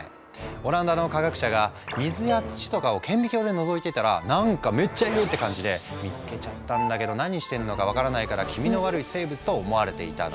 オランダの科学者が水や土とかを顕微鏡でのぞいてたら「何かめっちゃいる！」って感じで見つけちゃったんだけど何してんのか分からないから気味の悪い生物と思われていたの。